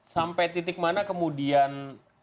sampai titik mana kemudian